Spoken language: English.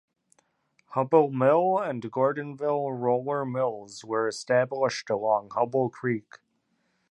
Hubble Mill and Gordonville Roller Mills were established along Hubble Creek.